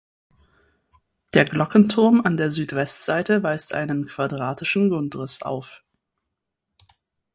Der Glockenturm an der Südwestseite weist einen quadratischen Grundriss auf.